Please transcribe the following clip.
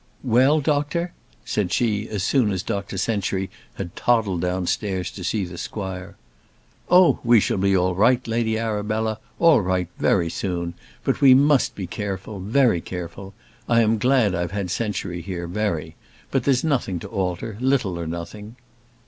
"Well, doctor?" said she, as soon as Dr Century had toddled downstairs to see the squire. "Oh! we shall be all right, Lady Arabella; all right, very soon. But we must be careful, very careful; I am glad I've had Century here, very; but there's nothing to alter; little or nothing."